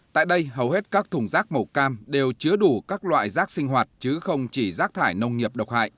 tại đây hầu hết các thùng rác màu cam đều chứa đủ các loại rác sinh hoạt chứ không chỉ rác thải nông nghiệp độc hại